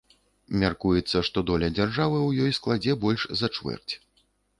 Мяркуецца, што доля дзяржавы ў ёй складзе больш за чвэрць.